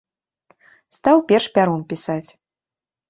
Стаў перш пяром пісаць.